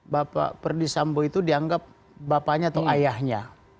bapak perdisambo itu dianggap bapaknya atau ayahnya